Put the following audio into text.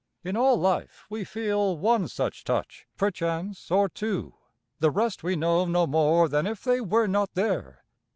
In all life we feel one such touch, perchance, or two. The rest we know no more than if they were not there.